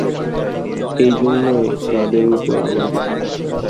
এইজন্যই তাদের উপর আমার বেশী বিশ্বাস।